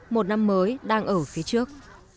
một năm mới đang ở phía trước